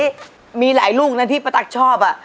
อ่ะมีหลายลูกนะที่ประตักชอบอะ